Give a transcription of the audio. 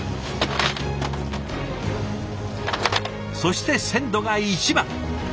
そして鮮度が一番。